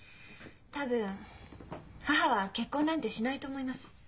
多分母は結婚なんてしないと思います。